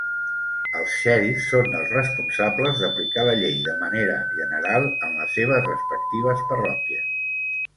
Els xèrifs són els responsables d'aplicar la llei de manera general en les seves respectives parròquies.